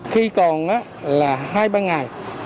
khi còn là hai ba ngày